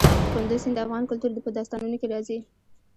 کندز سیند د افغان کلتور په داستانونو کې راځي.